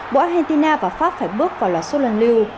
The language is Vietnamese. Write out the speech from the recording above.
bộ argentina và pháp phải bước vào loạt số lần lưu